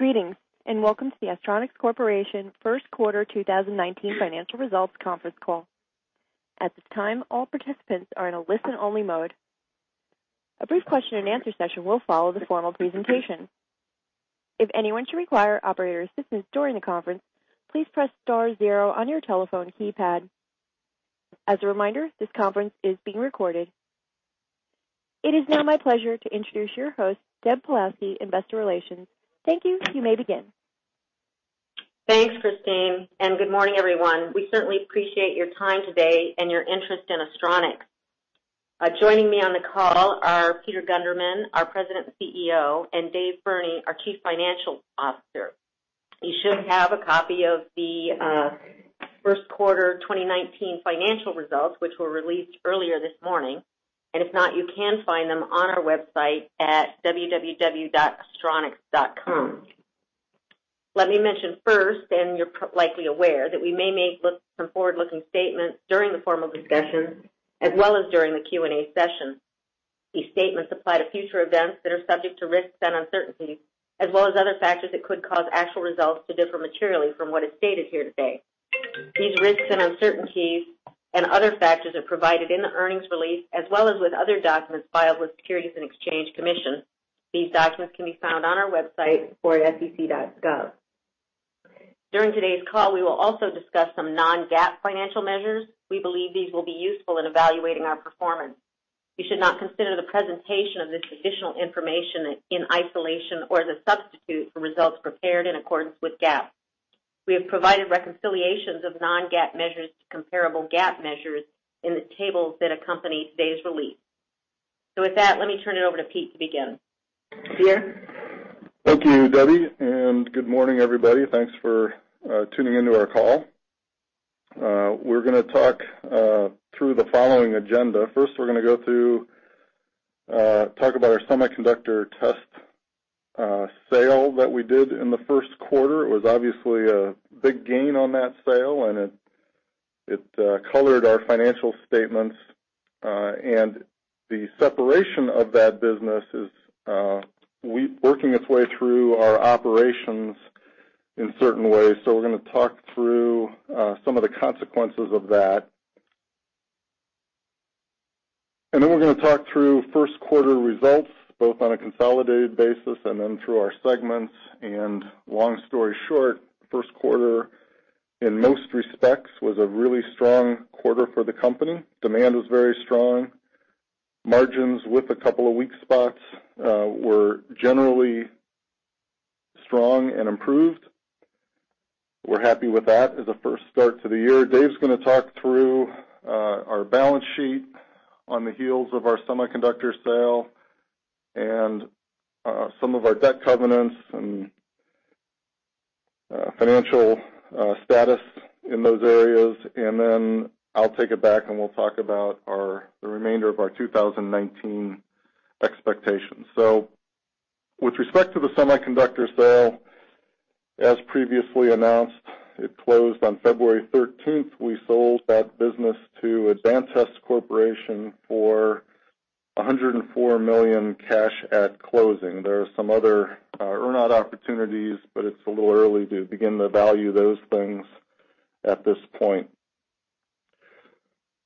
Greetings, welcome to the Astronics Corporation First Quarter 2019 Financial Results Conference Call. At this time, all participants are in a listen-only mode. A brief question and answer session will follow the formal presentation. If anyone should require operator assistance during the conference, please press star zero on your telephone keypad. As a reminder, this conference is being recorded. It is now my pleasure to introduce your host, Deborah Pawlowski, Investor Relations. Thank you. You may begin. Thanks, Christine, good morning, everyone. We certainly appreciate your time today and your interest in Astronics. Joining me on the call are Peter Gundermann, our President and Chief Executive Officer, and Dave Burney, our Chief Financial Officer. You should have a copy of the first quarter 2019 financial results, which were released earlier this morning, and if not, you can find them on our website at www.astronics.com. Let me mention first, you're likely aware, that we may make some forward-looking statements during the formal discussion, as well as during the Q&A session. These statements apply to future events that are subject to risks and uncertainties, as well as other factors that could cause actual results to differ materially from what is stated here today. These risks and uncertainties and other factors are provided in the earnings release, as well as with other documents filed with Securities and Exchange Commission. These documents can be found on our website or at sec.gov. During today's call, we will also discuss some non-GAAP financial measures. We believe these will be useful in evaluating our performance. You should not consider the presentation of this additional information in isolation or as a substitute for results prepared in accordance with GAAP. We have provided reconciliations of non-GAAP measures to comparable GAAP measures in the tables that accompany today's release. With that, let me turn it over to Pete to begin. Peter? Thank you, Debbie, good morning, everybody. Thanks for tuning into our call. We're going to talk through the following agenda. First, we're going to talk about our semiconductor test sale that we did in the first quarter. It was obviously a big gain on that sale, it colored our financial statements. The separation of that business is working its way through our operations in certain ways. We're going to talk through some of the consequences of that. Then we're going to talk through first quarter results, both on a consolidated basis and then through our segments. Long story short, first quarter, in most respects, was a really strong quarter for the company. Demand was very strong. Margins with a couple of weak spots were generally strong and improved. We're happy with that as a first start to the year. Dave's going to talk through our balance sheet on the heels of our semiconductor sale and some of our debt covenants and financial status in those areas. Then I'll take it back, and we'll talk about the remainder of our 2019 expectations. With respect to the semiconductor sale, as previously announced, it closed on February 13th. We sold that business to Advantest Corporation for $104 million cash at closing. There are some other earn-out opportunities, but it's a little early to begin to value those things at this point.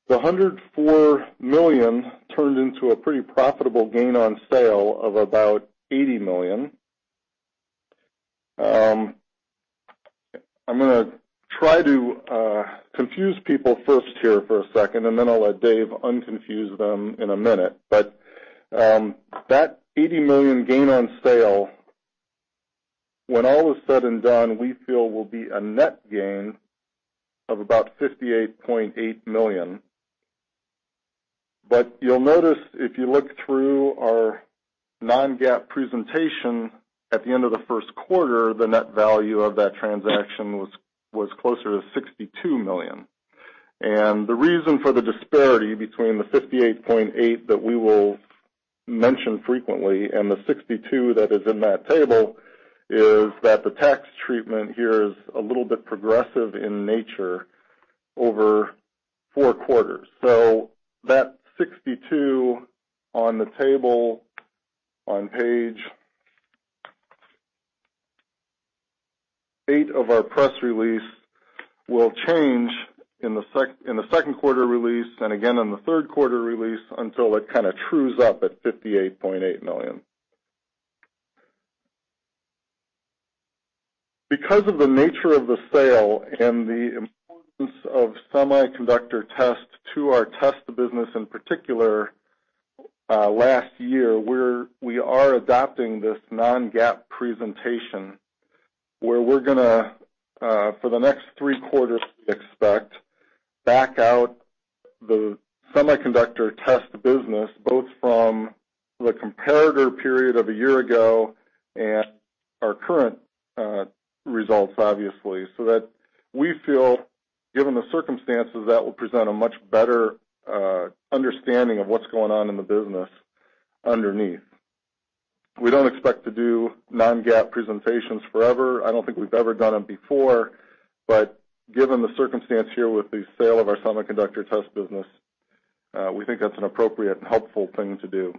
The $104 million turned into a pretty profitable gain on sale of about $80 million. I'm going to try to confuse people first here for a second, and then I'll let Dave unconfuse them in a minute. That $80 million gain on sale, when all is said and done, we feel will be a net gain of about $58.8 million. You'll notice if you look through our non-GAAP presentation at the end of the first quarter, the net value of that transaction was closer to $62 million. The reason for the disparity between the $58.8 that we will mention frequently and the $62 that is in that table is that the tax treatment here is a little bit progressive in nature over four quarters. That $62 on the table on page 8 of our press release will change in the second quarter release and again in the third quarter release until it kind of trues up at $58.8 million. Because of the nature of the sale and the importance of semiconductor test to our test business in particular last year, we are adopting this non-GAAP presentation where we're going to, for the next three quarters we expect, back out the semiconductor test business, both from the comparator period of a year ago and our current results, obviously. That we feel, given the circumstances, that will present a much better understanding of what's going on in the business underneath. We don't expect to do non-GAAP presentations forever. I don't think we've ever done them before. Given the circumstance here with the sale of our semiconductor test business, we think that's an appropriate and helpful thing to do.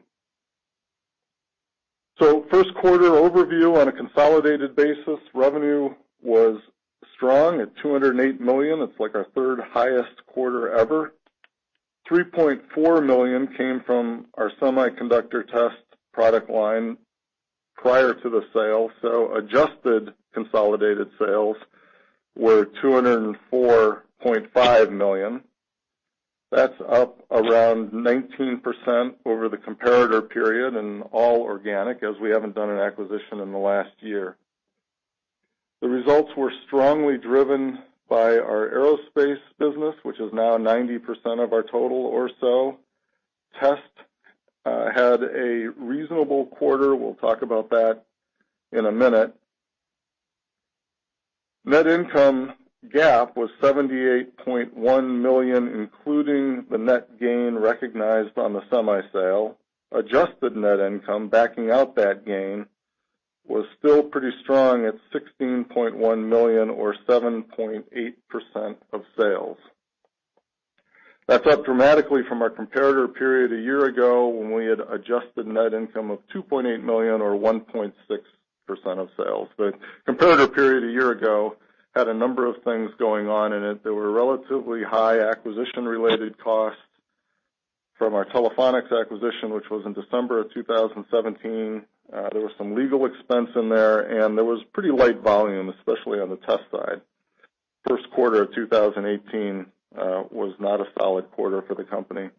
First quarter overview on a consolidated basis, revenue was strong at $208 million. It's like our third highest quarter ever. $3.4 million came from our semiconductor test product line prior to the sale. Adjusted consolidated sales were $204.5 million. That's up around 19% over the comparator period and all organic, as we haven't done an acquisition in the last year. The results were strongly driven by our aerospace business, which is now 90% of our total or so. Test had a reasonable quarter. We'll talk about that in a minute. Net income GAAP was $78.1 million, including the net gain recognized on the semi sale. Adjusted net income, backing out that gain, was still pretty strong at $16.1 million or 7.8% of sales. That's up dramatically from our comparator period a year ago when we had adjusted net income of $2.8 million or 1.6% of sales. The comparator period a year ago had a number of things going on in it. There were relatively high acquisition-related costs from our Telefonix acquisition, which was in December of 2017. There was some legal expense in there, and there was pretty light volume, especially on the test side. First quarter of 2018 was not a solid quarter for the company.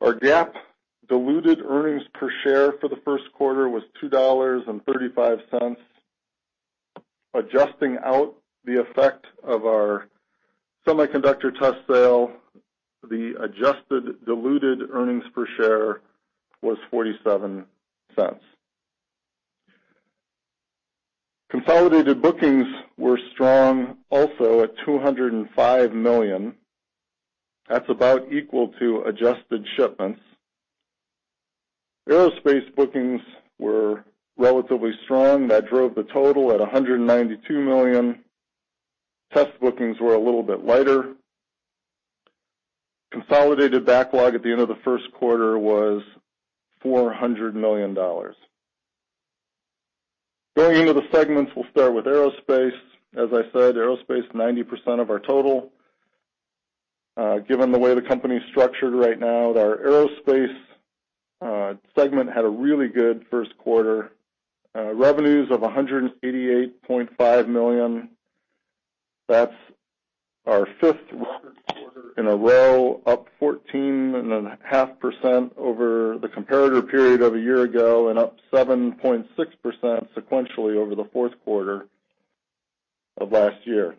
Our GAAP diluted earnings per share for the first quarter was $2.35. Adjusting out the effect of our semiconductor test sale, the adjusted diluted earnings per share was $0.47. Consolidated bookings were strong also at $205 million. That's about equal to adjusted shipments. Aerospace bookings were relatively strong. That drove the total at $192 million. Test bookings were a little bit lighter. Consolidated backlog at the end of the first quarter was $400 million. Going into the segments, we'll start with aerospace. As I said, aerospace, 90% of our total. Given the way the company's structured right now, our aerospace segment had a really good first quarter. Revenues of $188.5 million. That's our fifth record quarter in a row, up 14.5% over the comparator period of a year ago and up 7.6% sequentially over the fourth quarter of last year.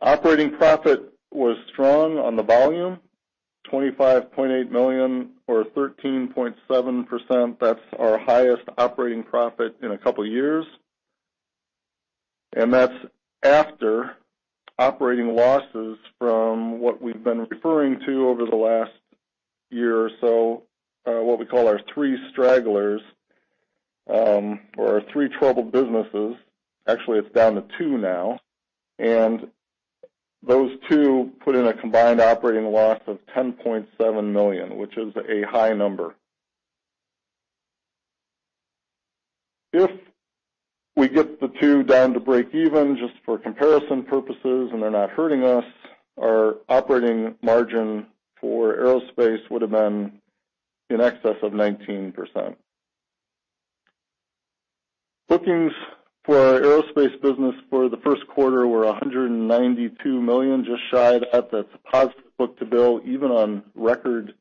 Operating profit was strong on the volume, $25.8 million or 13.7%. That's our highest operating profit in a couple of years. That's after operating losses from what we've been referring to over the last year or so, what we call our three stragglers, or our three troubled businesses. Actually, it's down to two now. Those two put in a combined operating loss of $10.7 million, which is a high number. If we get the two down to break even, just for comparison purposes, and they're not hurting us, our operating margin for aerospace would have been in excess of 19%. Bookings for our aerospace business for the first quarter were $192 million, just shy of that positive book-to-bill even on record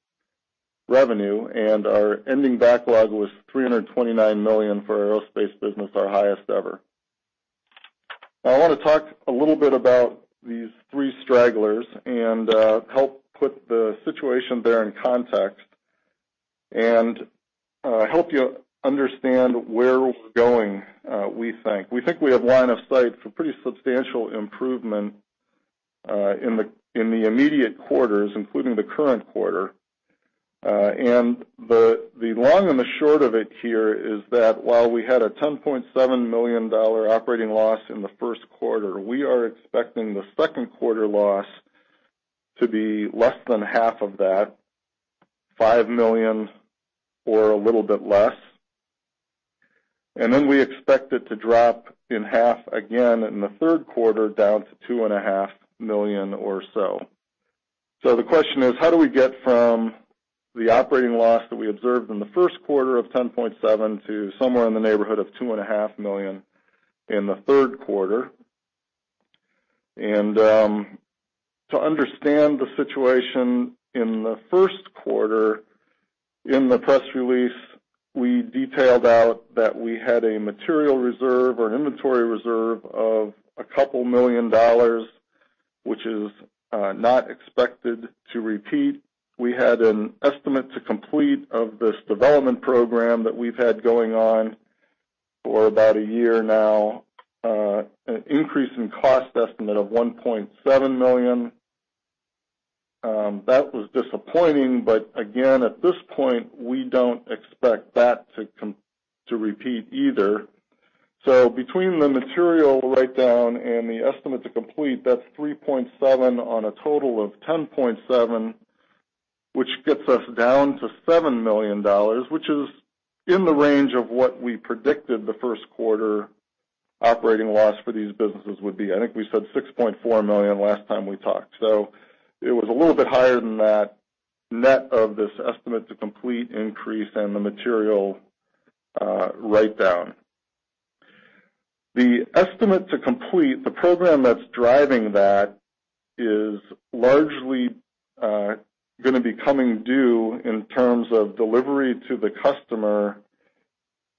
revenue, and our ending backlog was $329 million for our aerospace business, our highest ever. Now I want to talk a little bit about these three stragglers and help put the situation there in context and help you understand where we're going, we think. We think we have line of sight for pretty substantial improvement in the immediate quarters, including the current quarter. The long and the short of it here is that while we had a $10.7 million operating loss in the first quarter, we are expecting the second quarter loss to be less than half of that, $5 million or a little bit less. Then we expect it to drop in half again in the third quarter down to $2.5 million or so. The question is: how do we get from the operating loss that we observed in the first quarter of $10.7 to somewhere in the neighborhood of $2.5 million in the third quarter? To understand the situation in the first quarter, in the press release, we detailed out that we had a material reserve or inventory reserve of a couple million dollars, which is not expected to repeat. We had an estimate to complete of this development program that we've had going on for about a year now, an increase in cost estimate of $1.7 million. That was disappointing. Again, at this point, we don't expect that to repeat either. Between the material write-down and the estimate to complete, that's $3.7 on a total of $10.7, which gets us down to $7 million, which is in the range of what we predicted the first quarter operating loss for these businesses would be. I think we said $6.4 million last time we talked. It was a little bit higher than that net of this estimate to complete increase and the material write-down. The estimate to complete, the program that's driving that is largely going to be coming due in terms of delivery to the customer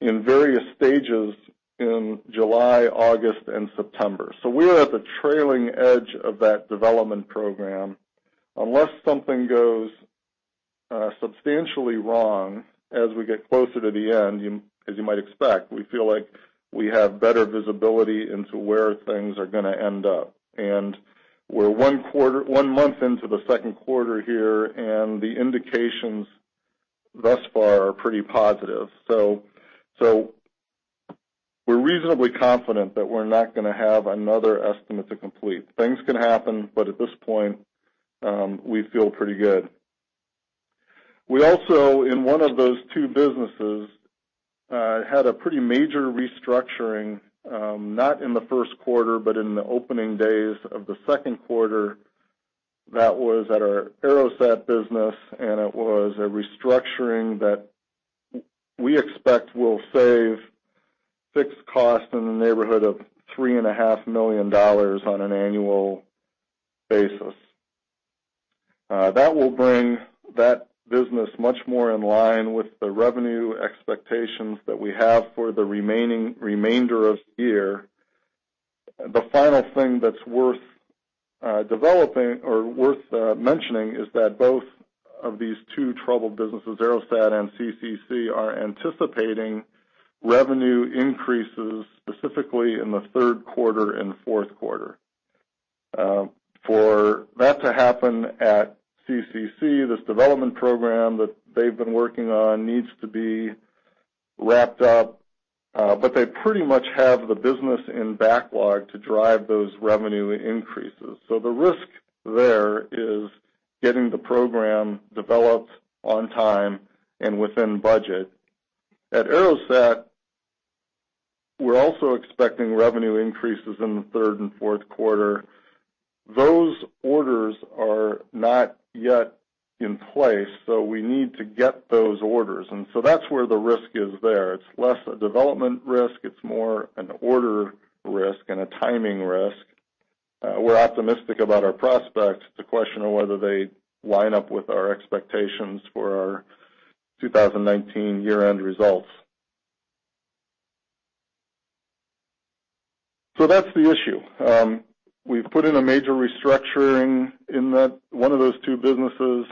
in various stages in July, August, and September. We're at the trailing edge of that development program. Unless something goes substantially wrong as we get closer to the end, as you might expect, we feel like we have better visibility into where things are going to end up. We're one month into the second quarter here, and the indications thus far are pretty positive. We're reasonably confident that we're not going to have another estimate to complete. Things can happen, but at this point, we feel pretty good. We also, in one of those two businesses, had a pretty major restructuring, not in the first quarter, but in the opening days of the second quarter. That was at our AeroSat business, and it was a restructuring that we expect will save fixed cost in the neighborhood of $3.5 million on an annual basis. That will bring that business much more in line with the revenue expectations that we have for the remainder of the year. The final thing that's worth mentioning is that both of these two troubled businesses, AeroSat and CCC, are anticipating revenue increases, specifically in the third quarter and fourth quarter. For that to happen at CCC, this development program that they've been working on needs to be wrapped up, but they pretty much have the business in backlog to drive those revenue increases. The risk there is getting the program developed on time and within budget. At AeroSat, we're also expecting revenue increases in the third and fourth quarter. Those orders are not yet in place, so we need to get those orders. That's where the risk is there. It's less a development risk; it's more an order risk and a timing risk. We're optimistic about our prospects. It's a question of whether they line up with our expectations for our 2019 year-end results. That's the issue. We've put in a major restructuring in one of those two businesses,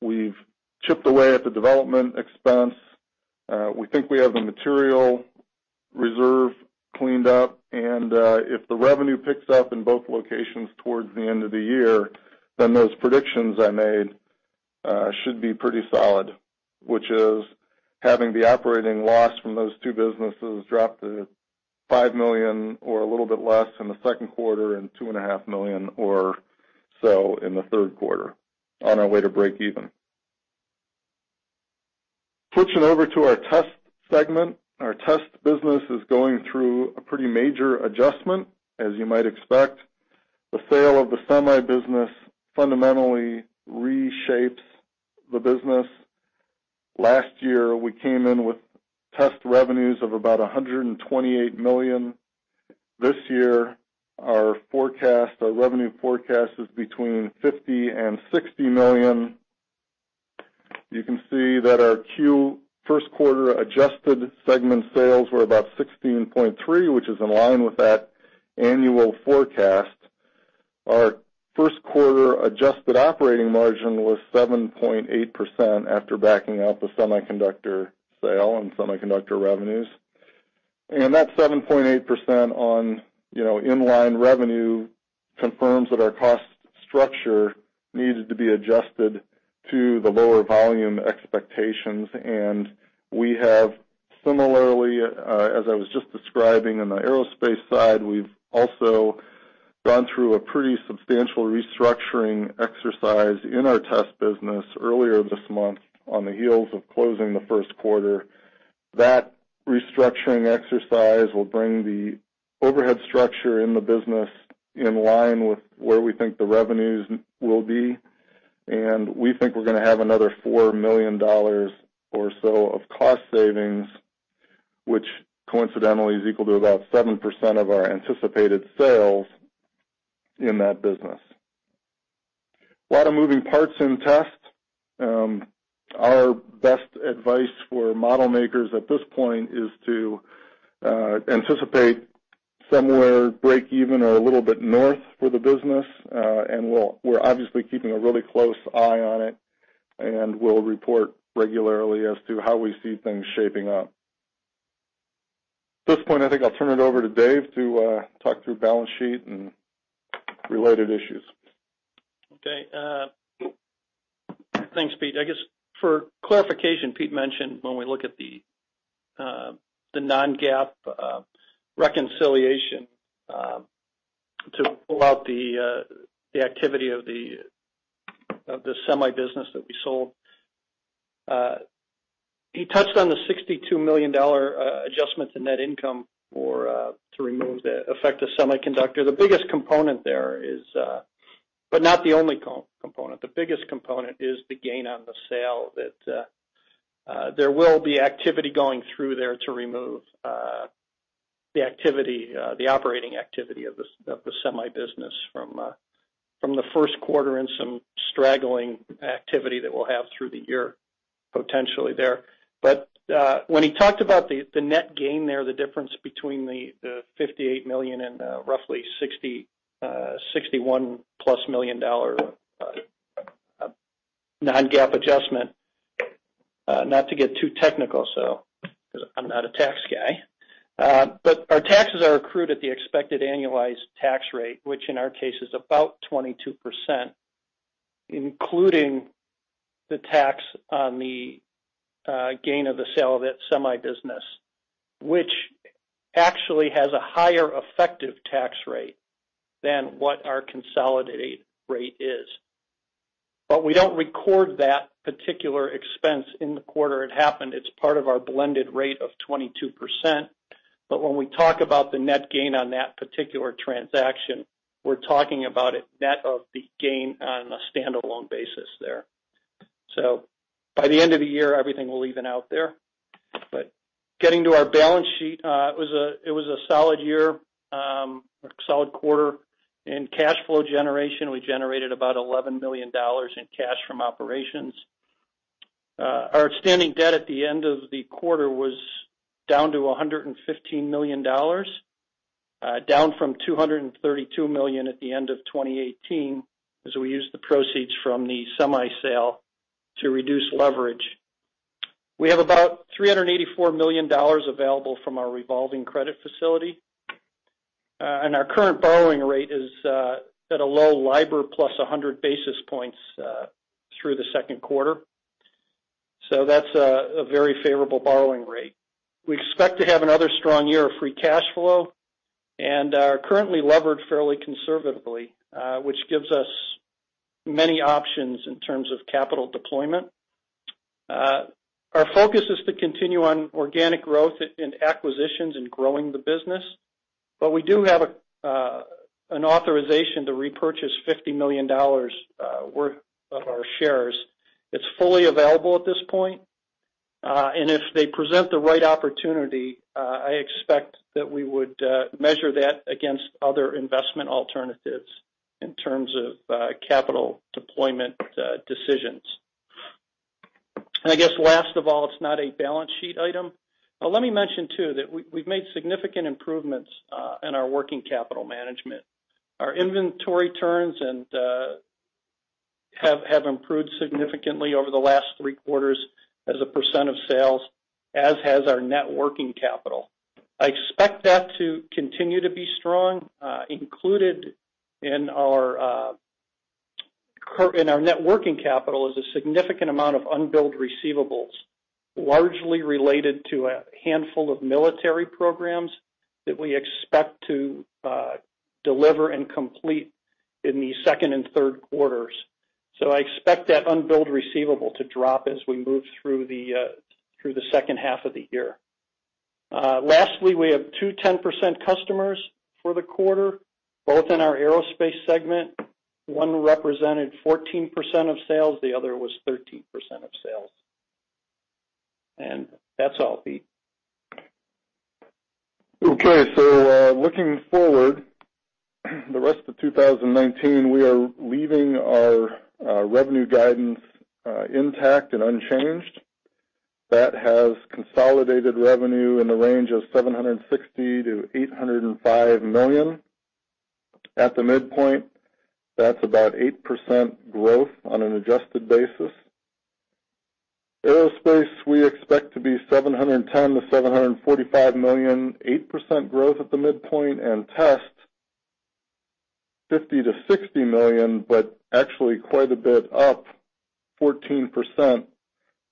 we've chipped away at the development expense. We think we have the material reserve cleaned up, if the revenue picks up in both locations towards the end of the year, those predictions I made should be pretty solid. Which is having the operating loss from those two businesses drop to $5 million or a little bit less in the second quarter and $2.5 million or so in the third quarter on our way to break even. Switching over to our Test segment. Our Test business is going through a pretty major adjustment, as you might expect. The sale of the semi business fundamentally reshapes the business. Last year, we came in with Test revenues of about $128 million. This year, our revenue forecast is between $50 million and $60 million. You can see that our first quarter adjusted segment sales were about $16.3 million, which is in line with that annual forecast. Our first quarter adjusted operating margin was 7.8% after backing out the semiconductor sale and semiconductor revenues. That 7.8% on inline revenue confirms that our cost structure needed to be adjusted to the lower volume expectations. We have similarly, as I was just describing in the aerospace side, we've also gone through a pretty substantial restructuring exercise in our Test business earlier this month on the heels of closing the first quarter. That restructuring exercise will bring the overhead structure in the business in line with where we think the revenues will be. We think we're going to have another $4 million or so of cost savings, which coincidentally is equal to about 7% of our anticipated sales in that business. A lot of moving parts in Test. Our best advice for model makers at this point is to anticipate somewhere break even or a little bit north for the business. We're obviously keeping a really close eye on it, and we'll report regularly as to how we see things shaping up. At this point, I think I'll turn it over to Dave to talk through balance sheet and related issues. Okay. Thanks, Pete. I guess for clarification, Pete mentioned when we look at the non-GAAP reconciliation to pull out the activity of the semi business that we sold. He touched on the $62 million adjustment to net income to remove the effect of semiconductor. The biggest component there, but not the only component. The biggest component is the gain on the sale that there will be activity going through there to remove the operating activity of the semi business from the first quarter and some straggling activity that we'll have through the year, potentially there. When he talked about the net gain there, the difference between the $58 million and roughly $61 plus million non-GAAP adjustment, not to get too technical, because I'm not a tax guy. Our taxes are accrued at the expected annualized tax rate, which in our case is about 22%, including the tax on the gain of the sale of that semi business, which actually has a higher effective tax rate than what our consolidated rate is. We don't record that particular expense in the quarter it happened. It's part of our blended rate of 22%. When we talk about the net gain on that particular transaction, we're talking about it net of the gain on a standalone basis there. By the end of the year, everything will even out there. Getting to our balance sheet, it was a solid year, solid quarter. In cash flow generation, we generated about $11 million in cash from operations. Our standing debt at the end of the quarter was down to $115 million, down from $232 million at the end of 2018, as we used the proceeds from the semi sale to reduce leverage. We have about $384 million available from our revolving credit facility. Our current borrowing rate is at a low LIBOR plus 100 basis points through the second quarter. That's a very favorable borrowing rate. We expect to have another strong year of free cash flow and are currently levered fairly conservatively, which gives us many options in terms of capital deployment. Our focus is to continue on organic growth and acquisitions and growing the business. We do have an authorization to repurchase $50 million worth of our shares. It's fully available at this point. If they present the right opportunity, I expect that we would measure that against other investment alternatives in terms of capital deployment decisions. I guess last of all, it's not a balance sheet item. Let me mention too, that we've made significant improvements in our working capital management. Our inventory turns have improved significantly over the last three quarters as a percent of sales, as has our net working capital. I expect that to continue to be strong. Included in our net working capital is a significant amount of unbilled receivables, largely related to a handful of military programs that we expect to deliver and complete in the second and third quarters. I expect that unbilled receivable to drop as we move through the second half of the year. Lastly, we have two 10% customers for the quarter, both in our Aerospace segment. One represented 14% of sales, the other was 13% of sales. That's all, Pete. Okay. Looking forward, the rest of 2019, we are leaving our revenue guidance intact and unchanged. That has consolidated revenue in the range of $760 million-$805 million. At the midpoint, that's about 8% growth on an adjusted basis. Aerospace, we expect to be $710 million-$745 million, 8% growth at the midpoint. Test, $50 million-$60 million, but actually quite a bit up 14%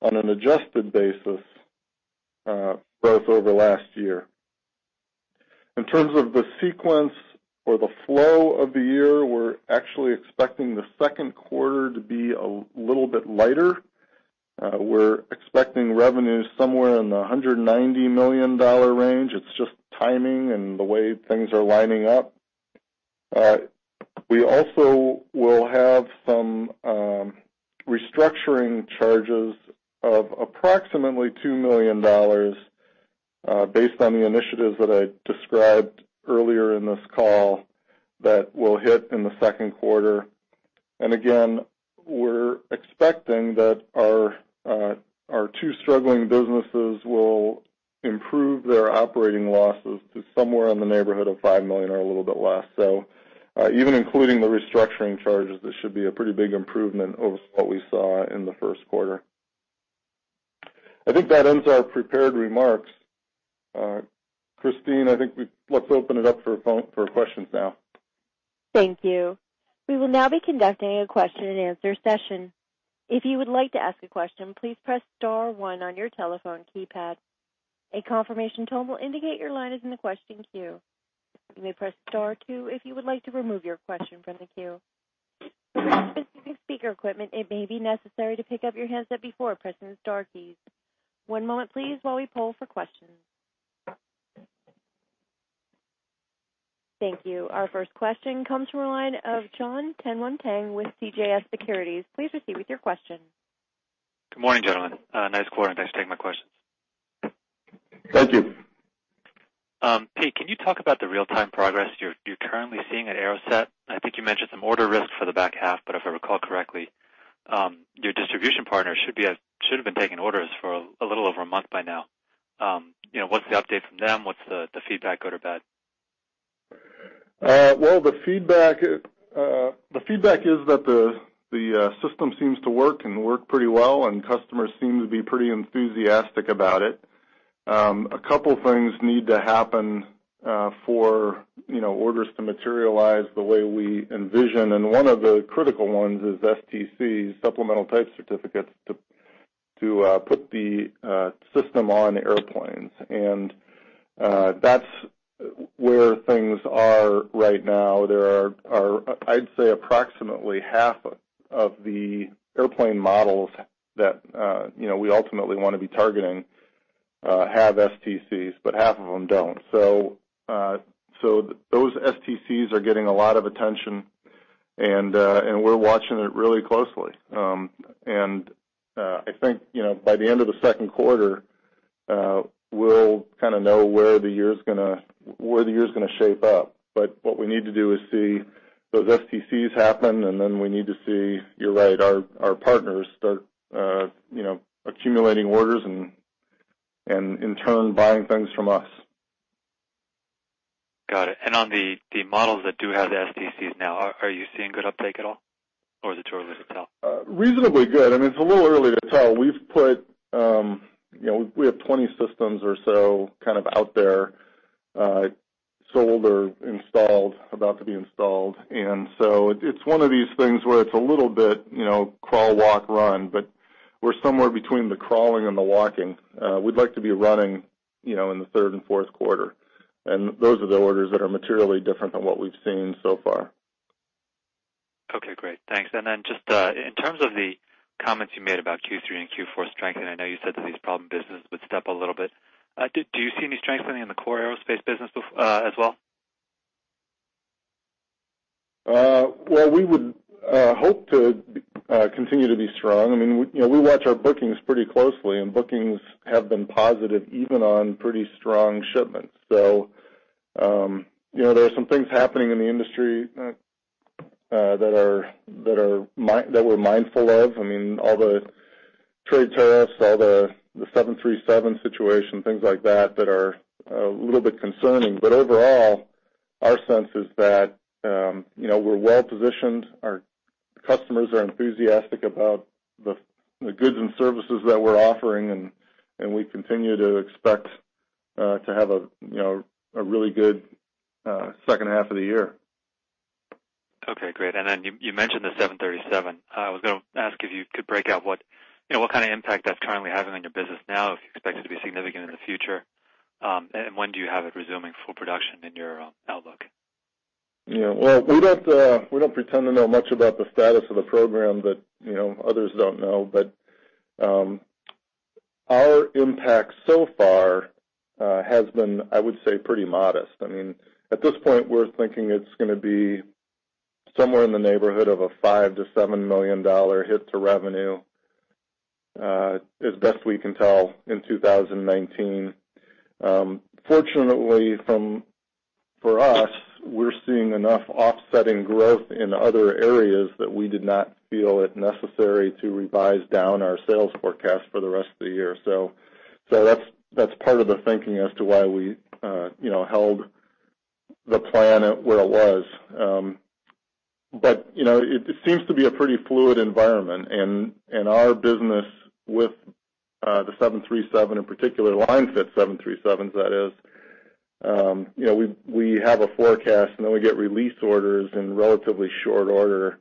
on an adjusted basis growth over last year. In terms of the sequence or the flow of the year, we're actually expecting the second quarter to be a little bit lighter. We're expecting revenues somewhere in the $190 million range. It's just timing and the way things are lining up. We also will have some restructuring charges of approximately $2 million based on the initiatives that I described earlier in this call that will hit in the second quarter. Again, we're expecting that our two struggling businesses will improve their operating losses to somewhere in the neighborhood of $5 million or a little bit less. Even including the restructuring charges, this should be a pretty big improvement over what we saw in the first quarter. I think that ends our prepared remarks. Christine, I think let's open it up for questions now. Thank you. We will now be conducting a question and answer session. If you would like to ask a question, please press star one on your telephone keypad. A confirmation tone will indicate your line is in the question queue. You may press star two if you would like to remove your question from the queue. If you're using speaker equipment, it may be necessary to pick up your handset before pressing the star keys. One moment please, while we poll for questions. Thank you. Our first question comes from the line of Jon Tanwanteng with CJS Securities. Please proceed with your question. Good morning, gentlemen. Nice quarter. Thanks for taking my questions. Thank you. Pete, can you talk about the real-time progress you're currently seeing at AeroSat? I think you mentioned some order risk for the back half, if I recall correctly, your distribution partners should have been taking orders for a little over a month by now. What's the update from them? What's the feedback, good or bad? Well, the feedback is that the system seems to work and work pretty well, and customers seem to be pretty enthusiastic about it. A couple things need to happen for orders to materialize the way we envision, and one of the critical ones is STCs, supplemental type certificates, to put the system on airplanes. That's where things are right now. There are, I'd say, approximately half of the airplane models that we ultimately want to be targeting have STCs, but half of them don't. Those STCs are getting a lot of attention, and we're watching it really closely. I think, by the end of the second quarter, we'll kind of know where the year's going to shape up. What we need to do is see those STCs happen, and then we need to see, you're right, our partners start accumulating orders and in turn buying things from us. Got it. On the models that do have the STCs now, are you seeing good uptake at all? Is it too early to tell? Reasonably good. I mean, it's a little early to tell. We have 20 systems or so kind of out there, sold or installed, about to be installed. It's one of these things where it's a little bit crawl, walk, run, but we're somewhere between the crawling and the walking. We'd like to be running in the third and fourth quarter. Those are the orders that are materially different than what we've seen so far. Okay, great. Thanks. Just in terms of the comments you made about Q3 and Q4 strengthening, I know you said that these problem businesses would step a little bit. Do you see any strengthening in the core aerospace business as well? Well, we would hope to continue to be strong. I mean, we watch our bookings pretty closely, and bookings have been positive even on pretty strong shipments. There are some things happening in the industry that we're mindful of. I mean, all the trade tariffs, all the 737 situation, things like that are a little bit concerning. Overall, our sense is that we're well positioned. Our customers are enthusiastic about the goods and services that we're offering, and we continue to expect to have a really good second half of the year. Okay, great. You mentioned the 737. I was going to ask if you could break out what kind of impact that's currently having on your business now, if you expect it to be significant in the future. When do you have it resuming full production in your outlook? Well, we don't pretend to know much about the status of the program that others don't know. Our impact so far has been, I would say, pretty modest. I mean, at this point, we're thinking it's going to be somewhere in the neighborhood of a $5 million-$7 million hit to revenue, as best we can tell in 2019. Fortunately, for us, we're seeing enough offsetting growth in other areas that we did not feel it necessary to revise down our sales forecast for the rest of the year. That's part of the thinking as to why we held the plan at where it was. It seems to be a pretty fluid environment. Our business with the 737, in particular line fit 737s that is, we have a forecast and then we get release orders in relatively short order.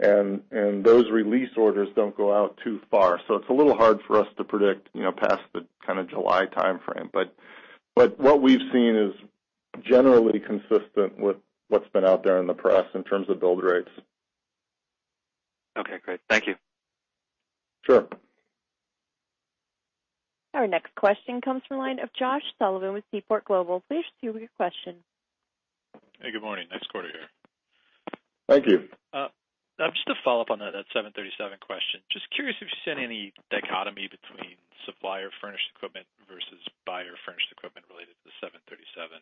Those release orders don't go out too far. It's a little hard for us to predict past the kind of July timeframe. What we've seen is generally consistent with what's been out there in the press in terms of build rates. Okay, great. Thank you. Sure. Our next question comes from the line of Josh Sullivan with Seaport Global. Please proceed with your question. Hey, good morning. Nice quarter here. Thank you. Just to follow up on that 737 question. Just curious if you've seen any dichotomy between supplier-furnished equipment versus buyer-furnished equipment related to the 737?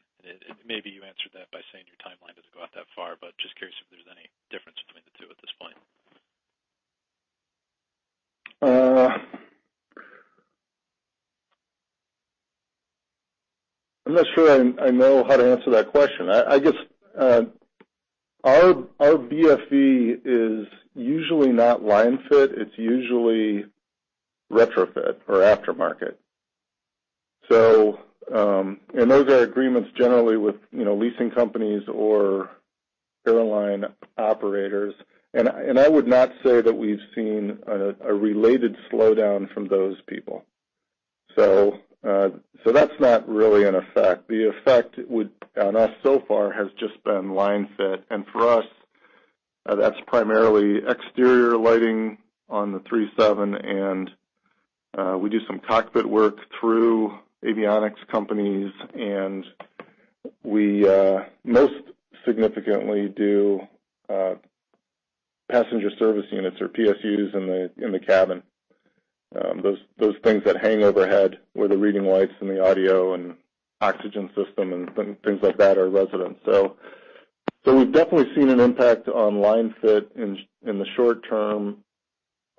Maybe you answered that by saying your timeline doesn't go out that far, but just curious if there's any difference between the two at this point. I'm not sure I know how to answer that question. I guess our BFE is usually not line fit, it's usually retrofit or aftermarket. Those are agreements generally with leasing companies or airline operators. I would not say that we've seen a related slowdown from those people. That's not really an effect. The effect on us so far has just been line fit, and for us, that's primarily exterior lighting on the 37 and we do some cockpit work through avionics companies, and we most significantly do passenger service units or PSUs in the cabin. Those things that hang overhead, where the reading lights and the audio and oxygen system and things like that are resident. We've definitely seen an impact on line fit in the short term.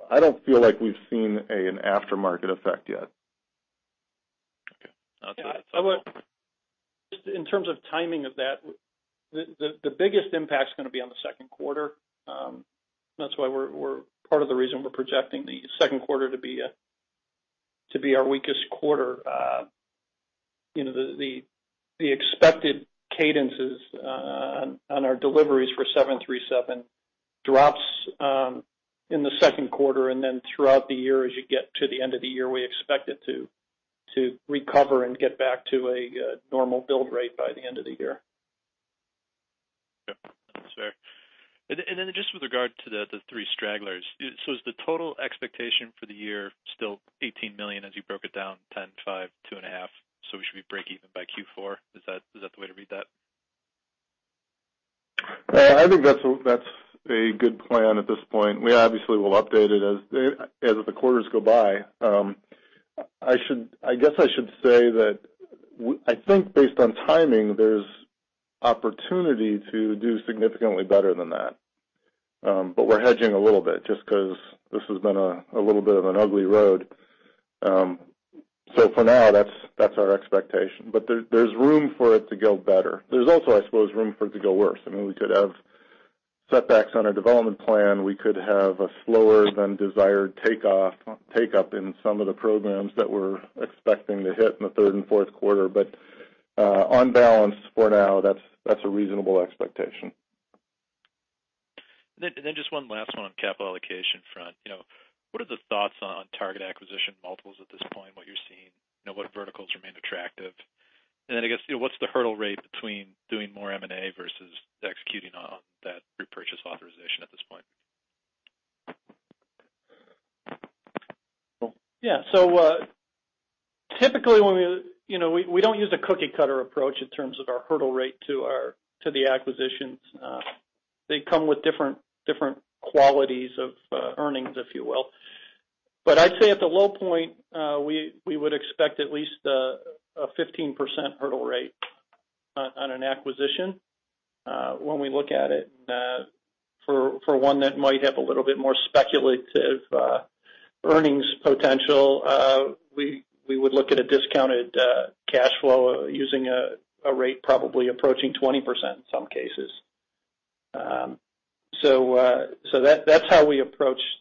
I don't feel like we've seen an aftermarket effect yet. Okay. In terms of timing of that, the biggest impact's going to be on the second quarter. That's part of the reason we're projecting the second quarter to be our weakest quarter. The expected cadences on our deliveries for 737 drops in the second quarter, and then throughout the year as you get to the end of the year, we expect it to recover and get back to a normal build rate by the end of the year. Yep. That's fair. Just with regard to the three stragglers. Is the total expectation for the year still $18 million as you broke it down 10, five, two and a half, we should be breakeven by Q4? Is that the way to read that? I think that's a good plan at this point. We obviously will update it as the quarters go by. I guess I should say that I think based on timing, there's opportunity to do significantly better than that. We're hedging a little bit just because this has been a little bit of an ugly road. For now, that's our expectation. There's room for it to go better. There's also, I suppose, room for it to go worse. We could have setbacks on our development plan. We could have a slower than desired take-up in some of the programs that we're expecting to hit in the third and fourth quarter. On balance for now, that's a reasonable expectation. Just one last one on capital allocation front. What are the thoughts on target acquisition multiples at this point, what you're seeing, what verticals remain attractive? I guess, what's the hurdle rate between doing more M&A versus executing on that repurchase authorization at this point? Typically, we don't use a cookie cutter approach in terms of our hurdle rate to the acquisitions. They come with different qualities of earnings, if you will. But I'd say at the low point, we would expect at least a 15% hurdle rate on an acquisition. When we look at it, for one that might have a little bit more speculative earnings potential, we would look at a discounted cash flow using a rate probably approaching 20% in some cases. That's how we approach the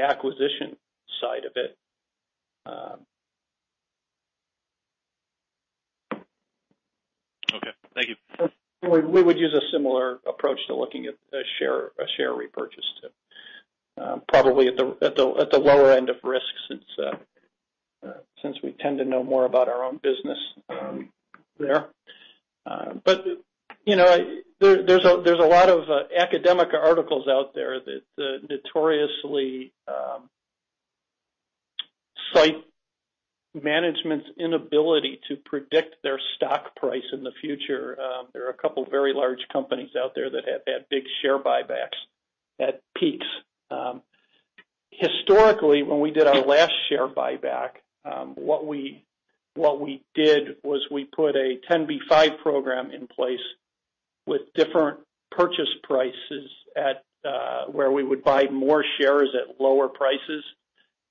acquisition side of it. Okay. Thank you. We would use a similar approach to looking at a share repurchase too. Probably at the lower end of risk since we tend to know more about our own business there. There's a lot of academic articles out there that notoriously cite management's inability to predict their stock price in the future. There are a couple of very large companies out there that have had big share buybacks at peaks. Historically, when we did our last share buyback, what we did was we put a 10b5-1 program in place with different purchase prices at where we would buy more shares at lower prices,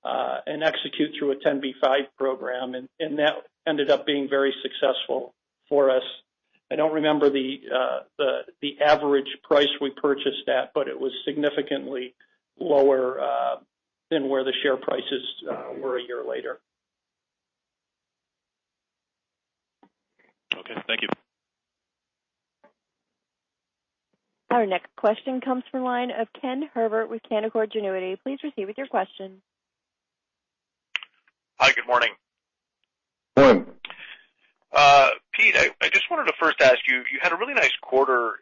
and execute through a 10b5-1 program, and that ended up being very successful for us. I don't remember the average price we purchased at, but it was significantly lower than where the share prices were a year later. Okay. Thank you. Our next question comes from line of Ken Herbert with Canaccord Genuity. Please proceed with your question. Hi, good morning. Good morning. Pete, I just wanted to first ask you had a really nice quarter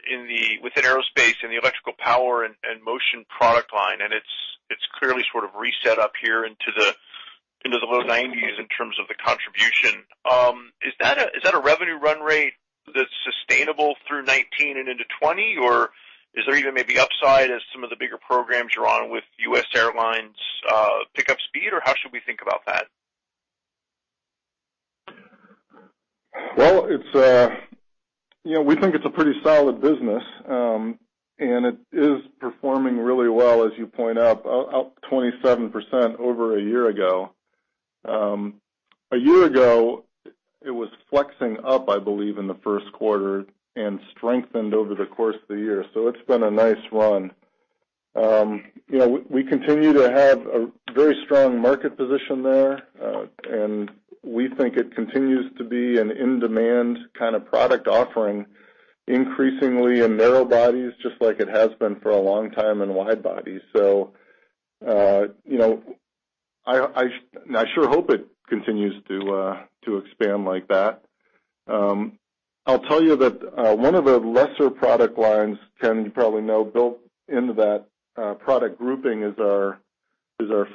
within aerospace and the electrical power and motion product line, and it's clearly sort of reset up here into the low nineties in terms of the contribution. Is that a revenue run rate that's sustainable through 2019 and into 2020, or is there even maybe upside as some of the bigger programs you're on with U.S. airlines pick up speed, or how should we think about that? We think it's a pretty solid business. It is performing really well, as you point out, up 27% over a year ago. A year ago, it was flexing up, I believe, in the first quarter and strengthened over the course of the year. It's been a nice run. We continue to have a very strong market position there, and we think it continues to be an in-demand kind of product offering increasingly in narrow bodies, just like it has been for a long time in wide bodies. I sure hope it continues to expand like that. I'll tell you that one of the lesser product lines, Ken, you probably know, built into that product grouping is our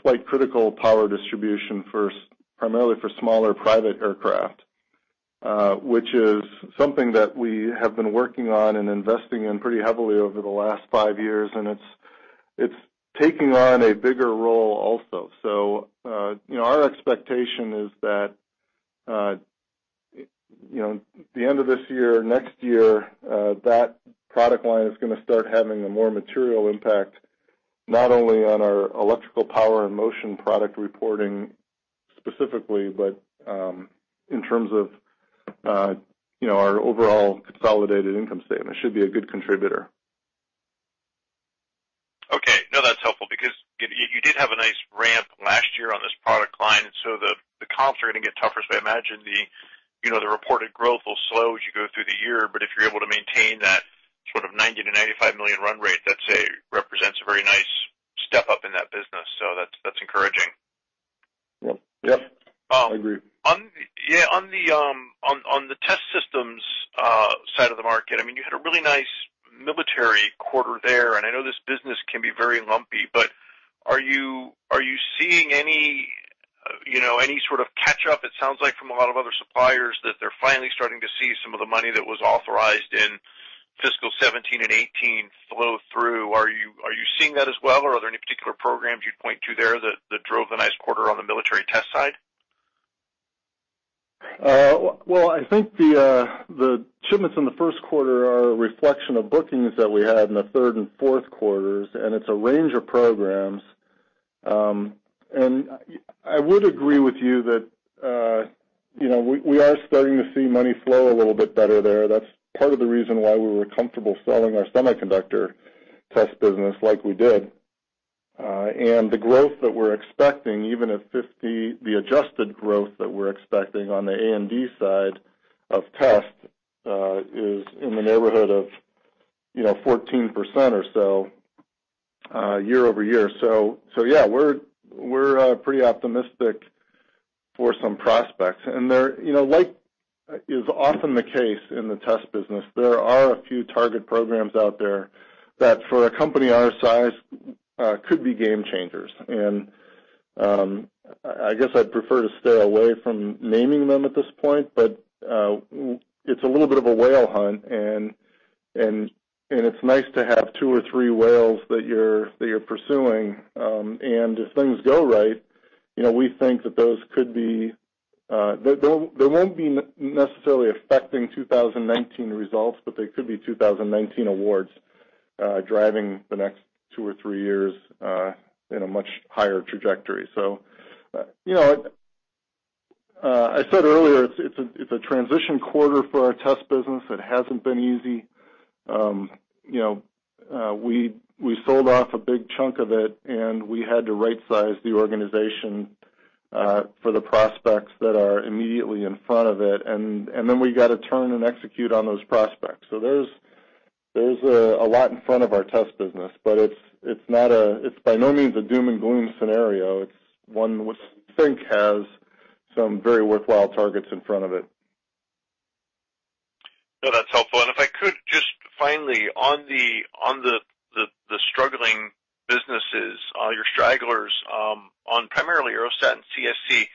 flight critical power distribution primarily for smaller private aircraft, which is something that we have been working on and investing in pretty heavily over the last five years. It's taking on a bigger role also. Our expectation is that the end of this year, next year, that product line is going to start having a more material impact, not only on our electrical power and motion product reporting specifically, but in terms of our overall consolidated income statement. It should be a good contributor. Okay. No, that's helpful because you did have a nice ramp last year on this product line. The comps are going to get tougher. I imagine the reported growth will slow as you go through the year, but if you're able to maintain that sort of $90 million-$95 million run rate, that represents a very nice step up in that business. That's encouraging. Yep. I agree. On the test systems side of the market, you had a really nice military quarter there. I know this business can be very lumpy, but are you seeing any sort of catch up? It sounds like from a lot of other suppliers that they're finally starting to see some of the money that was authorized in fiscal 2017 and 2018 flow through. Are you seeing that as well, or are there any particular programs you'd point to there that drove the nice quarter on the military test side? Well, I think the shipments in the first quarter are a reflection of bookings that we had in the third and fourth quarters. It's a range of programs. I would agree with you that we are starting to see money flow a little bit better there. That's part of the reason why we were comfortable selling our semiconductor test business like we did. The growth that we're expecting, even if 50, the adjusted growth that we're expecting on the A&D side of tests is in the neighborhood of 14% or so year-over-year. Yeah, we're pretty optimistic for some prospects. Like is often the case in the test business, there are a few target programs out there that, for a company our size, could be game changers. I guess I'd prefer to stay away from naming them at this point, but it's a little bit of a whale hunt, and it's nice to have two or three whales that you're pursuing. If things go right, we think that they won't be necessarily affecting 2019 results, but they could be 2019 awards, driving the next two or three years in a much higher trajectory. I said earlier, it's a transition quarter for our test business. It hasn't been easy. We sold off a big chunk of it, and we had to right-size the organization for the prospects that are immediately in front of it. Then we got to turn and execute on those prospects. There's a lot in front of our test business, but it's by no means a doom and gloom scenario. It's one we think has some very worthwhile targets in front of it. No, that's helpful. If I could, just finally, on the struggling businesses, your stragglers, on primarily AeroSat and CSC,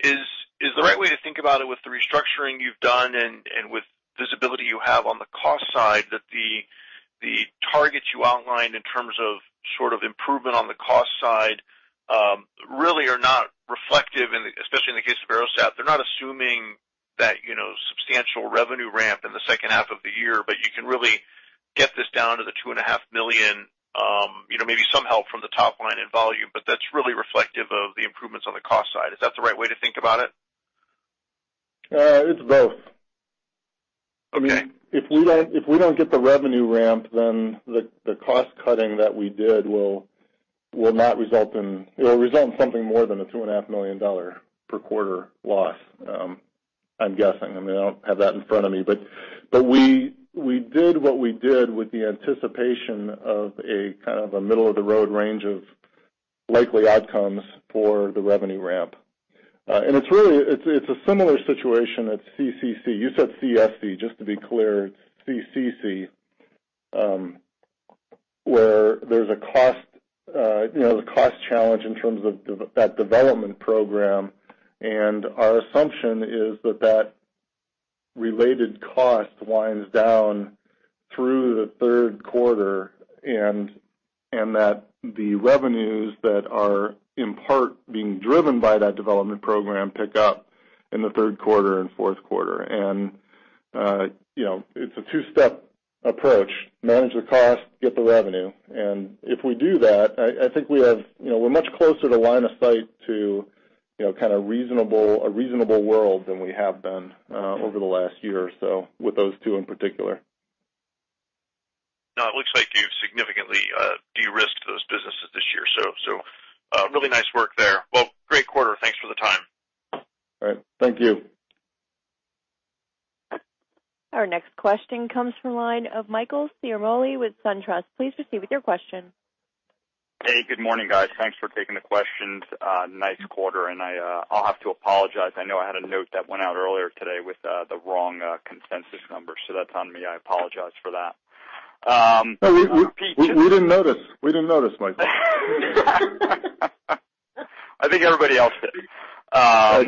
is the right way to think about it with the restructuring you've done and with visibility you have on the cost side, that the targets you outlined in terms of sort of improvement on the cost side really are not reflective, especially in the case of AeroSat, they're not assuming that substantial revenue ramp in the second half of the year, but you can really get this down to the $2.5 million, maybe some help from the top line in volume, but that's really reflective of the improvements on the cost side. Is that the right way to think about it? It's both. Okay. If we don't get the revenue ramp, then the cost cutting that we did will result in something more than a $2.5 million per quarter loss, I'm guessing. I don't have that in front of me. We did what we did with the anticipation of a kind of a middle-of-the-road range of likely outcomes for the revenue ramp. It's a similar situation at CCC. You said CSC, just to be clear, it's CCC, where there's a cost challenge in terms of that development program, and our assumption is that that related cost winds down in the third quarter, and that the revenues that are in part being driven by that development program pick up in the third quarter and fourth quarter. It's a two-step approach, manage the cost, get the revenue. If we do that, I think we're much closer to line of sight to a reasonable world than we have been over the last year or so with those two in particular. It looks like you've significantly de-risked those businesses this year, really nice work there. Well, great quarter. Thanks for the time. All right. Thank you. Our next question comes from the line of Michael Ciarmoli with SunTrust. Please proceed with your question. Hey, good morning, guys. Thanks for taking the questions. Nice quarter, I'll have to apologize. I know I had a note that went out earlier today with the wrong consensus numbers, that's on me. I apologize for that. We didn't notice, Michael. I think everybody else did. Yeah.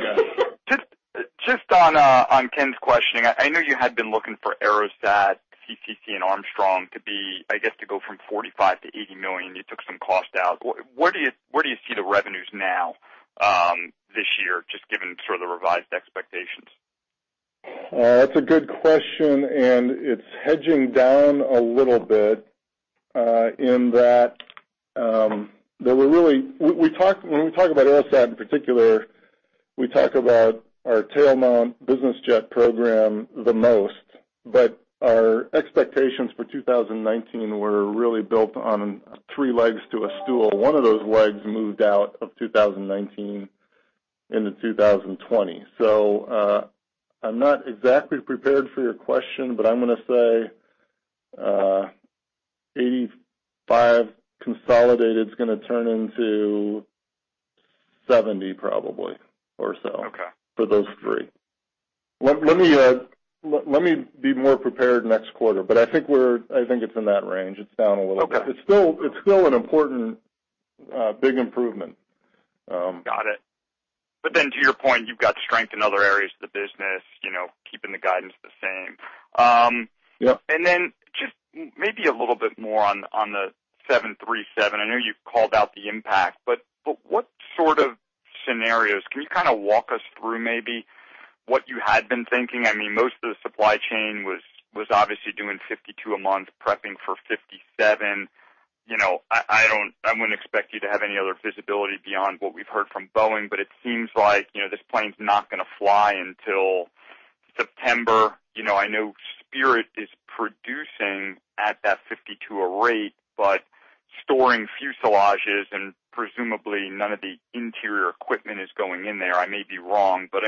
Just on Ken's questioning, I know you had been looking for AeroSat, Astronics CSC, and Armstrong to be, I guess, to go from $45 million to $80 million. You took some cost out. Where do you see the revenues now this year, just given sort of the revised expectations? That's a good question, and it's hedging down a little bit, in that when we talk about AeroSat in particular, we talk about our tail mount business jet program the most. Our expectations for 2019 were really built on three legs to a stool. One of those legs moved out of 2019 into 2020. I'm not exactly prepared for your question, but I'm going to say $85 consolidated is going to turn into $70 probably or so. Okay For those three. Let me be more prepared next quarter, but I think it's in that range. It's down a little bit. Okay. It's still an important, big improvement. Got it. To your point, you've got strength in other areas of the business, keeping the guidance the same. Yep. Just maybe a little bit more on the 737. I know you've called out the impact, but what sort of scenarios, can you kind of walk us through maybe what you had been thinking? Most of the supply chain was obviously doing 52 a month, prepping for 57. I wouldn't expect you to have any other visibility beyond what we've heard from Boeing, but it seems like this plane's not going to fly until September. I know Spirit is producing at that 52 a rate, but storing fuselages and presumably none of the interior equipment is going in there. I may be wrong, but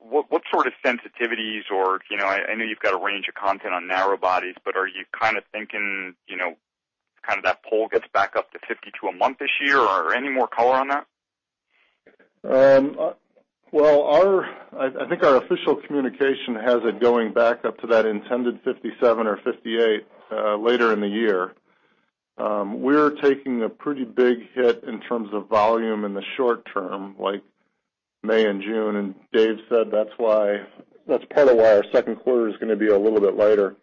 what sort of sensitivities, or I know you've got a range of content on narrow bodies, but are you kind of thinking that pull gets back up to 52 a month this year, or any more color on that? Well, I think our official communication has it going back up to that intended 57 or 58 later in the year. We're taking a pretty big hit in terms of volume in the short term, like May and June. Dave said that's part of why our second quarter is going to be a little bit lighter.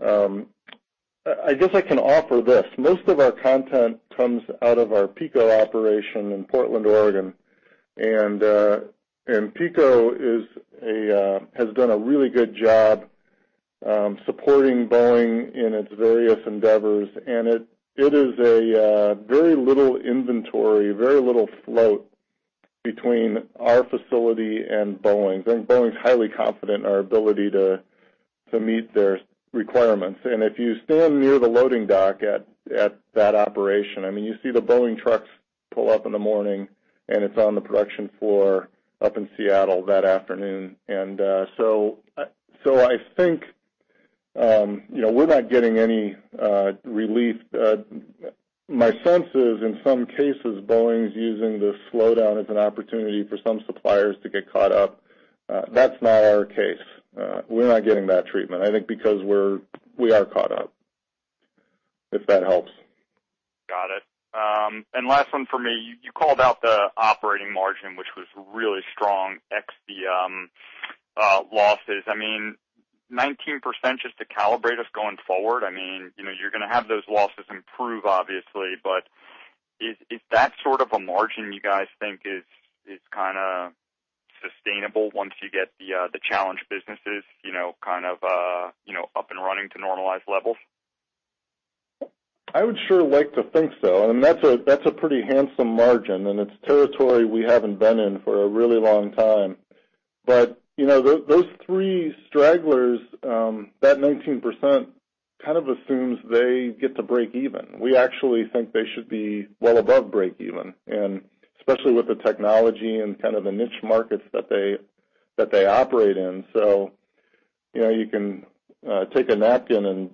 I guess I can offer this. Most of our content comes out of our PECO operation in Portland, Oregon. PECO has done a really good job supporting Boeing in its various endeavors, and it is a very little inventory, very little float between our facility and Boeing's. Boeing's highly confident in our ability to meet their requirements. If you stand near the loading dock at that operation, you see the Boeing trucks pull up in the morning, and it's on the production floor up in Seattle that afternoon. I think we're not getting any relief. My sense is, in some cases, Boeing's using the slowdown as an opportunity for some suppliers to get caught up. That's not our case. We're not getting that treatment, I think because we are caught up, if that helps. Got it. Last one for me, you called out the operating margin, which was really strong ex the losses. 19%, just to calibrate us going forward, you're going to have those losses improve, obviously, but is that sort of a margin you guys think is kind of sustainable once you get the challenged businesses up and running to normalized levels? I would sure like to think so. That's a pretty handsome margin, and it's territory we haven't been in for a really long time. Those three stragglers, that 19% kind of assumes they get to break even. We actually think they should be well above break even, especially with the technology and kind of the niche markets that they operate in. You can take a napkin and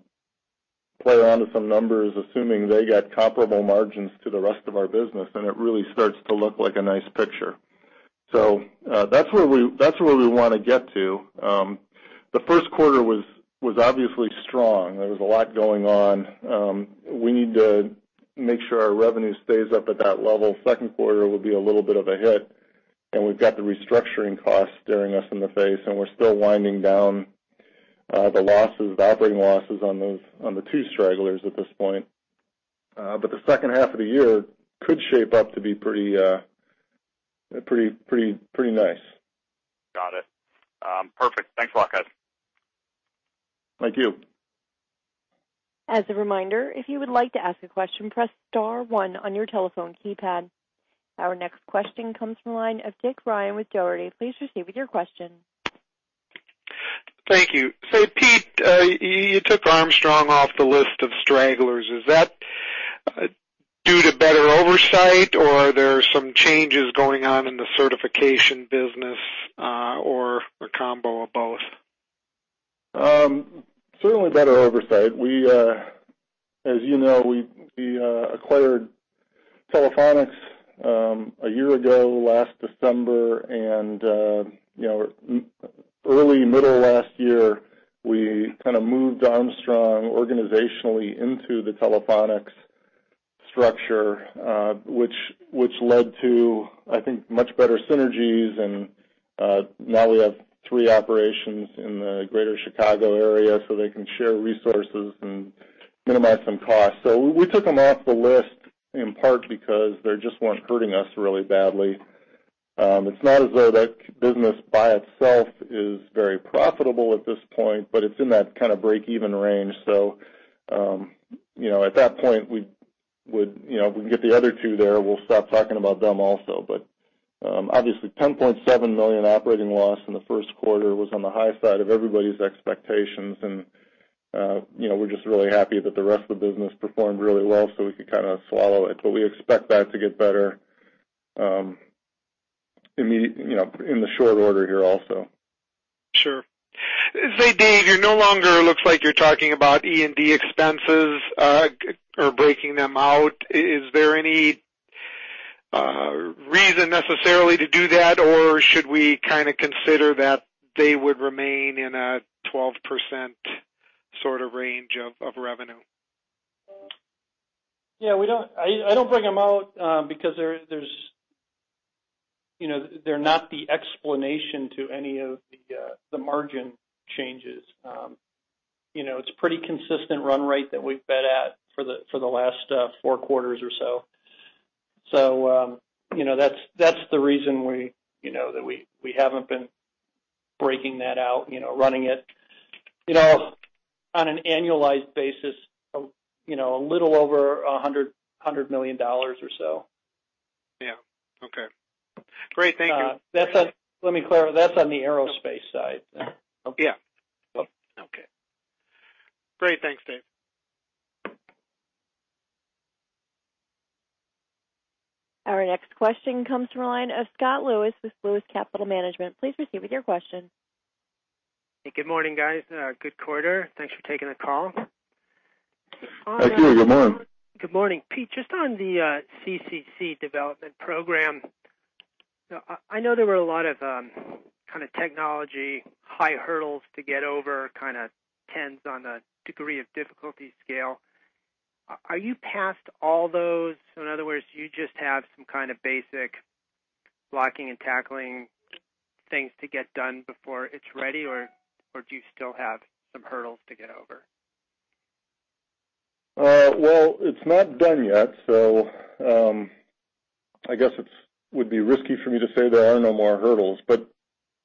play around with some numbers, assuming they get comparable margins to the rest of our business, and it really starts to look like a nice picture. That's where we want to get to. The first quarter was obviously strong. There was a lot going on. We need to make sure our revenue stays up at that level. Second quarter will be a little bit of a hit. We've got the restructuring costs staring us in the face, and we're still winding down the operating losses on the two stragglers at this point. The second half of the year could shape up to be pretty nice. Got it. Perfect. Thanks a lot, guys. Thank you. As a reminder, if you would like to ask a question, press star one on your telephone keypad. Our next question comes from the line of Dick Ryan with Dougherty. Please proceed with your question. Thank you. Pete, you took Armstrong off the list of stragglers. Is that due to better oversight, or are there some changes going on in the certification business, or a combo of both? Certainly better oversight. As you know, we acquired Telefonix a year ago, last December. Early middle of last year, we kind of moved Armstrong organizationally into the Telefonix structure which led to, I think, much better synergies. Now we have three operations in the greater Chicago area, so they can share resources and minimize some costs. We took them off the list in part because they just weren't hurting us really badly. It's not as though that business by itself is very profitable at this point, but it's in that kind of break-even range. At that point, if we can get the other two there, we'll stop talking about them also. Obviously, $10.7 million operating loss in the first quarter was on the high side of everybody's expectations, we're just really happy that the rest of the business performed really well, we could kind of swallow it. We expect that to get better in the short order here also. Sure. Say, Dave, it no longer looks like you're talking about R&D expenses or breaking them out. Is there any reason necessarily to do that, or should we kind of consider that they would remain in a 12% sort of range of revenue? Yeah. I don't break them out because they're not the explanation to any of the margin changes. It's pretty consistent run rate that we've been at for the last four quarters or so. That's the reason that we haven't been breaking that out, running it on an annualized basis, a little over $100 million or so. Yeah. Okay. Great. Thank you. Let me clarify. That's on the aerospace side. Yeah. Okay. Great. Thanks, Dave. Our next question comes from the line of Scott Lewis with Lewis Capital Management. Please proceed with your question. Hey, good morning, guys. Good quarter. Thanks for taking the call. Thank you. Good morning. Good morning. Pete, just on the CCC development program, I know there were a lot of kind of technology, high hurdles to get over, kind of tens on the degree of difficulty scale. Are you past all those? In other words, you just have some kind of basic blocking and tackling things to get done before it's ready, or do you still have some hurdles to get over? Well, it's not done yet, so I guess it would be risky for me to say there are no more hurdles.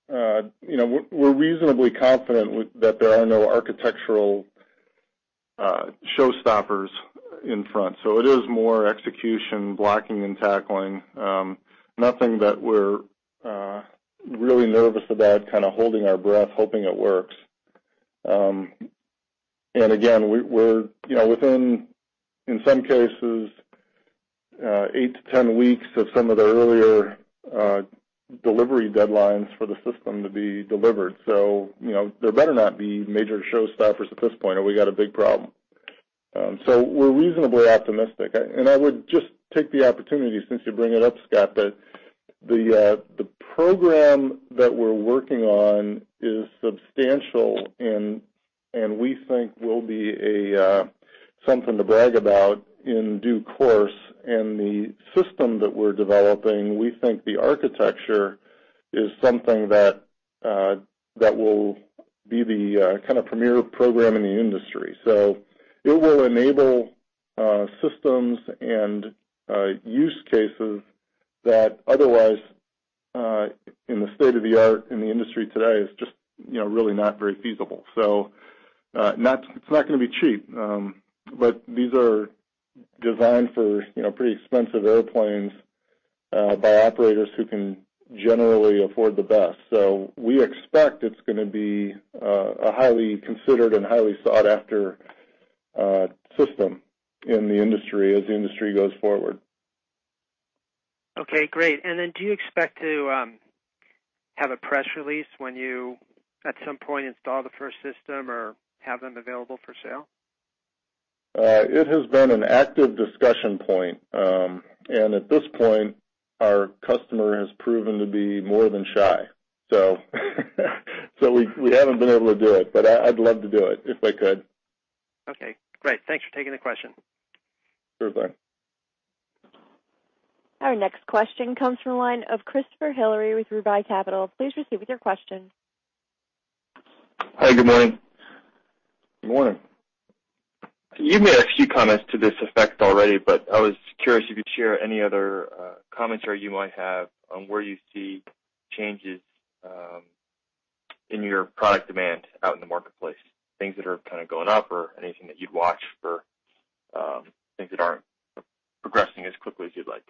We're reasonably confident that there are no architectural showstoppers in front. It is more execution, blocking and tackling. Nothing that we're really nervous about, kind of holding our breath, hoping it works. Again, we're within, in some cases, 8 to 10 weeks of some of the earlier delivery deadlines for the system to be delivered. There better not be major showstoppers at this point, or we got a big problem. We're reasonably optimistic. I would just take the opportunity, since you bring it up, Scott, that the program that we're working on is substantial and we think will be something to brag about in due course. The system that we're developing, we think the architecture is something that will be the kind of premier program in the industry. It will enable systems and use cases that otherwise, in the state of the art in the industry today, is just really not very feasible. It's not going to be cheap. These are designed for pretty expensive airplanes by operators who can generally afford the best. We expect it's going to be a highly considered and highly sought-after system in the industry as the industry goes forward. Okay, great. Do you expect to have a press release when you, at some point, install the first system or have them available for sale? It has been an active discussion point. At this point, our customer has proven to be more than shy. We haven't been able to do it, but I'd love to do it if I could. Okay, great. Thanks for taking the question. Sure thing. Our next question comes from the line of Christopher Hillary with Roubaix Capital. Please proceed with your questions. Hi, good morning. Good morning. You've made a few comments to this effect already, I was curious if you could share any other commentary you might have on where you see changes in your product demand out in the marketplace, things that are kind of going up or anything that you'd watch for things that aren't progressing as quickly as you'd like.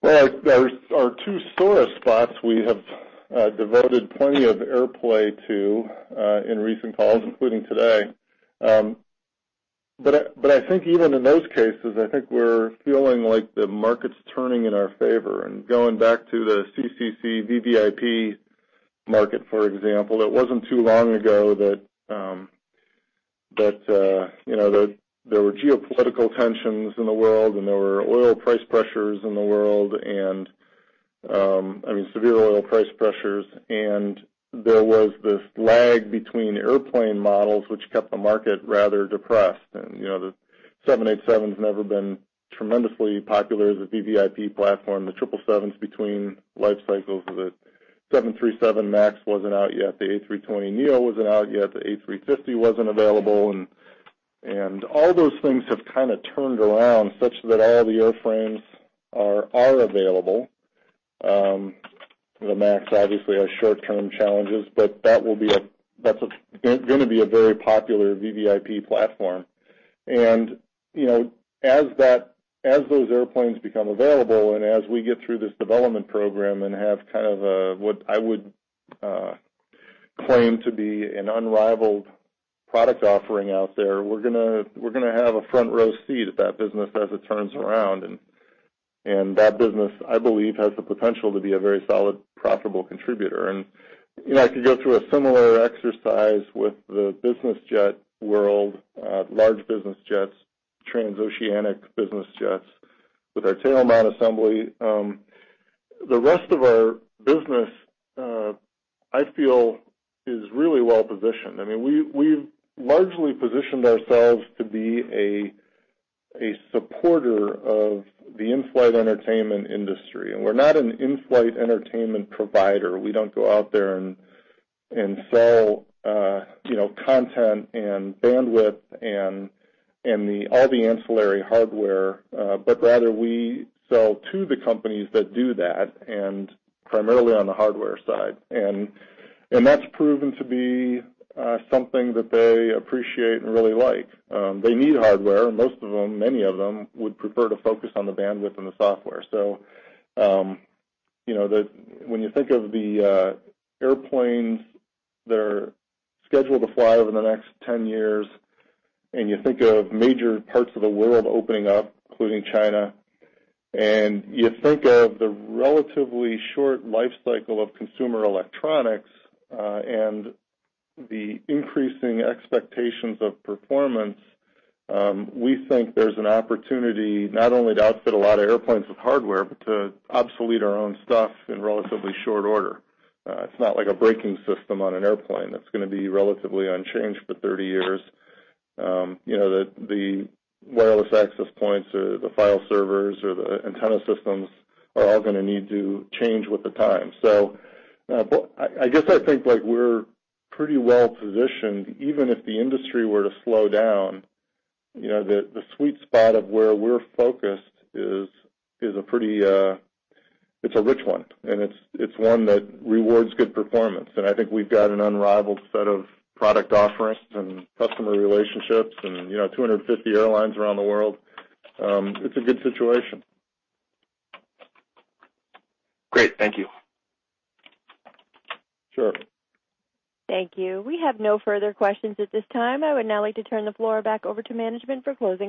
Well, our two sorest spots we have devoted plenty of airplay to in recent calls, including today. I think even in those cases, I think we're feeling like the market's turning in our favor. Going back to the CCC VVIP market, for example, it wasn't too long ago that there were geopolitical tensions in the world and there were oil price pressures in the world, I mean, severe oil price pressures. There was this lag between airplane models which kept the market rather depressed. The 787's never been tremendously popular as a VVIP platform. The 777s between life cycles of the 737 MAX wasn't out yet, the A320neo wasn't out yet, the A350 wasn't available. All those things have kind of turned around such that all the airframes are available. The MAX obviously has short-term challenges, but that's going to be a very popular VVIP platform. As those airplanes become available, and as we get through this development program and have kind of what I would claim to be an unrivaled product offering out there, we're going to have a front row seat at that business as it turns around. That business, I believe, has the potential to be a very solid, profitable contributor. I could go through a similar exercise with the business jet world, large business jets, transoceanic business jets, with our tail mount assembly. The rest of our business, I feel, is really well positioned. We've largely positioned ourselves to be a supporter of the in-flight entertainment industry. We're not an in-flight entertainment provider. We don't go out there and sell content and bandwidth and all the ancillary hardware. Rather, we sell to the companies that do that, and primarily on the hardware side. That's proven to be something that they appreciate and really like. They need hardware. Most of them, many of them, would prefer to focus on the bandwidth and the software. When you think of the airplanes that are scheduled to fly over the next 10 years, and you think of major parts of the world opening up, including China, and you think of the relatively short life cycle of consumer electronics, and the increasing expectations of performance, we think there's an opportunity not only to outfit a lot of airplanes with hardware, but to obsolete our own stuff in relatively short order. It's not like a braking system on an airplane that's going to be relatively unchanged for 30 years. The wireless access points or the file servers or the antenna systems are all going to need to change with the times. I guess I think we're pretty well positioned, even if the industry were to slow down. The sweet spot of where we're focused is a rich one, and it's one that rewards good performance. I think we've got an unrivaled set of product offerings and customer relationships and 250 airlines around the world. It's a good situation. Great. Thank you. Sure. Thank you. We have no further questions at this time. I would now like to turn the floor back over to management for closing remarks.